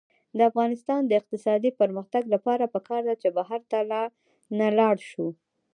د افغانستان د اقتصادي پرمختګ لپاره پکار ده چې بهر ته نلاړ شو.